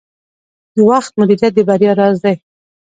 د وخت مدیریت د بریا راز دی.